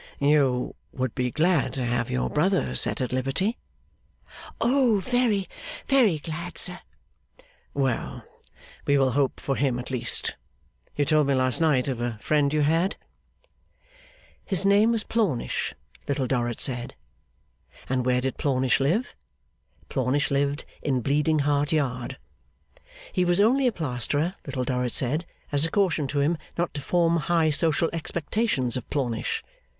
'You would be glad to have your brother set at liberty?' 'Oh very, very glad, sir!' 'Well, we will hope for him at least. You told me last night of a friend you had?' His name was Plornish, Little Dorrit said. And where did Plornish live? Plornish lived in Bleeding Heart Yard. He was 'only a plasterer,' Little Dorrit said, as a caution to him not to form high social expectations of Plornish.